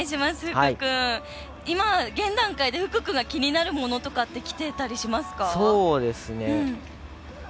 今、現段階で福くんが気になるものとかってきてたりしますかか？